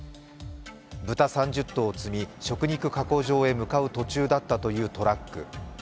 豚３０頭を積み、食肉加工場へ向かう途中だったというトラック。